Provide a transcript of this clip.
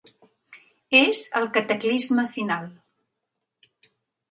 És el cataclisme final.